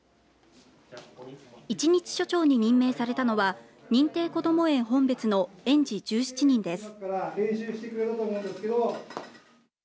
１日署長に任命されたのは認定こども園ほんべつの園児１７人です。